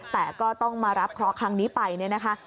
แต่ก็ต้องมารับเคราะห์ครั้งนี้ไปเนี่ยนะคะ